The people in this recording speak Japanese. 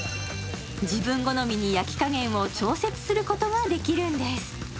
自分好みに焼き加減を調節することができるんです。